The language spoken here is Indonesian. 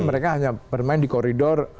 mereka hanya bermain di koridor